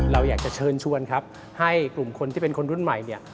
เราอยากจะเชิญชวนครับให้กลุ่มคนที่เป็นคนรุ่นใหม่เนี่ย